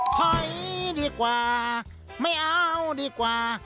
ถอยดีกว่าไม่เอาดีกว่า